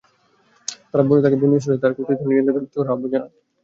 তাঁরা তাকে বনী ইসরাঈলদের তার কর্তৃত্ব ও নির্যাতন থেকে মুক্ত করার আহ্বান জানান।